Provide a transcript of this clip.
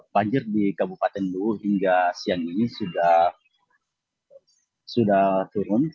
banjir di kabupaten luwu hingga siang ini sudah turun